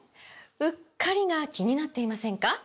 “うっかり”が気になっていませんか？